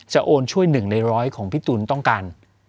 โอนช่วย๑ใน๑๐๐ของพี่ตูนต้องการ